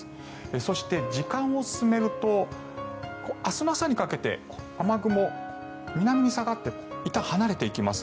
そして、時間を進めると明日の朝にかけて雨雲、南に下がっていったん離れていきます。